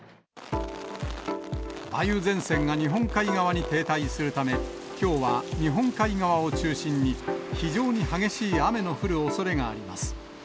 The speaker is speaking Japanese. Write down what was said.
梅雨前線が日本海側に停滞するため、きょうは日本海側を中心に、非常に激しい雨の降るおそれがあります。